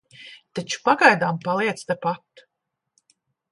Taču pagaidām paliec tepat.